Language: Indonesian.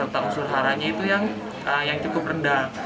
kasur haranya itu yang cukup rendah